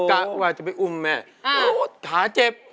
อะคอยจะไปอุ้มแม่เหาะขาเจ็บ